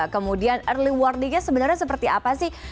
kemudian early warning nya sebenarnya seperti apa sih